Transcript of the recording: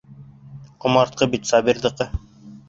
Ҡомартҡы бит Сабирҙыҡы!